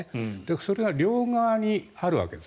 それが両側にあるわけです。